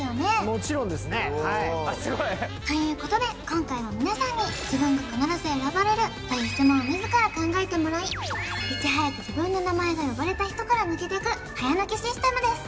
もちろんですねはい・あっスゴいということで今回は皆さんに自分が必ず選ばれるという質問を自ら考えてもらいいち早く自分の名前が呼ばれた人から抜けていく早抜けシステムです